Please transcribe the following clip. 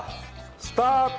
スタート！